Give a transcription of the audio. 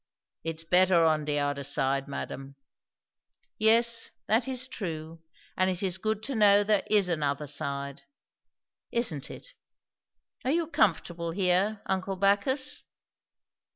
"It's better on de oder side, madam." "Yes, that is true! And it is good to know there is an 'other side,' isn't it? Are you comfortable here, uncle Bacchus?"